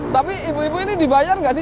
tapi ibu ibu ini dibayar nggak sih